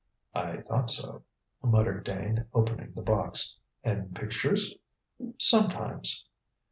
"I thought so," muttered Dane, opening the box. "And pictures?" "Sometimes."